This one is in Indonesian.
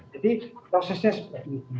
jadi prosesnya seperti itu